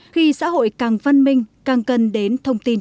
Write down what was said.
khi xã hội càng văn minh càng cần đến thông tin